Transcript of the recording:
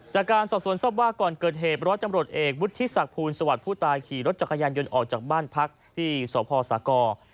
จากการสอบสวนทรัพย์ว่าก่อนเกิดเหตุร้อยจำรวจเอกวุฒิศักดิ์สวัสดิ์ผู้ตายขี่รถจักรยานยนต์ออกจากบ้านพักที่สพสากร